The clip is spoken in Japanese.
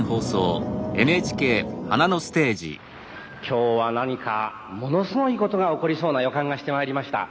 今日は何かものすごいことが起こりそうな予感がしてまいりました。